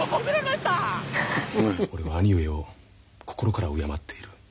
兄上を心から敬っている。